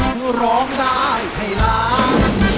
ก็ร้องได้ให้ร้าน